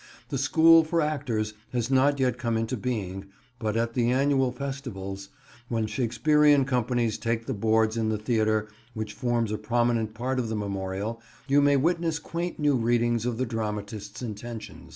The school for actors has not yet come into being, but at the annual festivals, when Shakespearean companies take the boards in the theatre which forms a prominent part of the Memorial, you may witness quaint new readings of the dramatist's intentions.